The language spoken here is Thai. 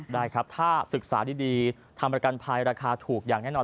ได้ครับถ้าศึกษาดีทำประกันภัยราคาถูกอย่างแน่นอน